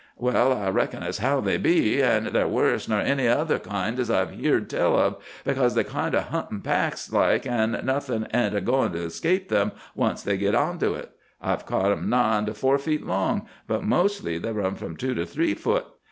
"'Well, I reckon as how they be. An' they're worse nor any other kind as I've heern tell of, because they kinder hunt in packs like, an' nothin' ain't a goin' to escape them, once they git onto it. I've caught 'em nigh onto four foot long, but mostly they run from two to three foot.